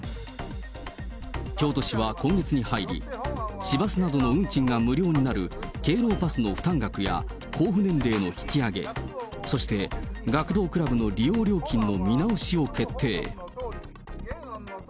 京都市は今月に入り、市バスなどの運賃が無料になる敬老パスの負担額や交付年齢の引き上げ、そして、学童クラブの利用料金の見直しを決定。